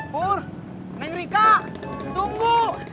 pur menengrika tunggu